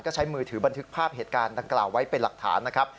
ก็ใช้มือถือบันทึกภาพเหตุการณ์ดังกล่าวไว้เป็นหลักฐานนะครับ